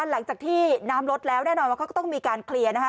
หลังจากที่น้ำลดแล้วแน่นอนว่าเขาก็ต้องมีการเคลียร์นะคะ